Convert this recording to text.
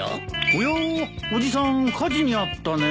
おやおじさん火事にあったね。